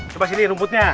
coba sini rumputnya